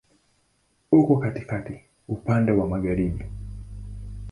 Uko katikati, upande wa magharibi.